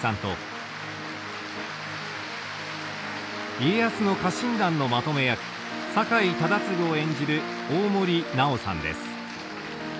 家康の家臣団のまとめ役酒井忠次を演じる大森南朋さんです。